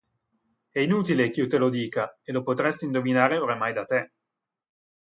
È inutile ch'io te lo dica, e lo potresti indovinare oramai da te.